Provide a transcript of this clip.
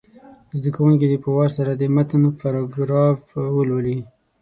زده کوونکي دې په وار سره د متن پاراګراف ولولي.